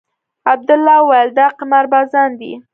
عبدالله وويل دا قمار بازان دي.